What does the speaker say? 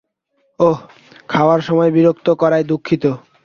ওহ, খাওয়ার সময় বিরক্ত করায় দুঃখিত।